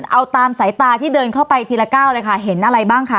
เอาตามสายตาที่เดินเข้าไปทีละก้าวเลยค่ะเห็นอะไรบ้างคะ